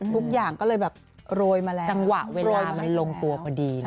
ทุกอย่างก็เลยแบบโรยมาแล้วจังหวะเวลามันลงตัวพอดีนะ